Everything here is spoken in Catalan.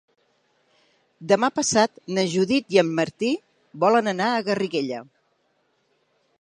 Demà passat na Judit i en Martí volen anar a Garriguella.